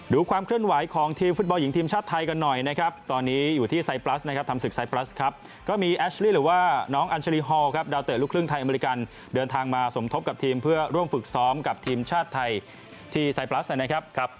ความเคลื่อนไหวของทีมฟุตบอลหญิงทีมชาติไทยกันหน่อยนะครับตอนนี้อยู่ที่ไซปลัสนะครับทำศึกไซปลัสครับก็มีแอชลี่หรือว่าน้องอัญชาลีฮอลครับดาวเตะลูกครึ่งไทยอเมริกันเดินทางมาสมทบกับทีมเพื่อร่วมฝึกซ้อมกับทีมชาติไทยที่ไซปลัสนะครับ